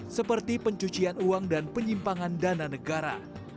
seperti pencucian uang dan penyimpangan dana negara